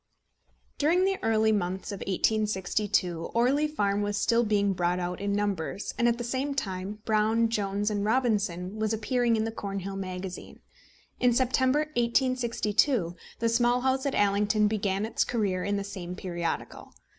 During the early months of 1862 Orley Farm was still being brought out in numbers, and at the same time Brown, Jones, and Robinson was appearing in the Cornhill Magazine. In September, 1862, the Small House at Allington began its career in the same periodical.